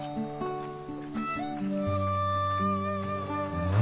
うん。